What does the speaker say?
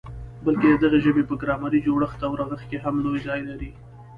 بلکي د دغي ژبي په ګرامري جوړښت او رغښت کي هم لوی ځای لري.